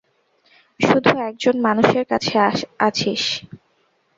শুধু একজন মানুষের কাছে আছিস।